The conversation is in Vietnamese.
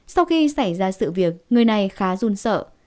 sau khi xảy ra sự việc người này khá run sợ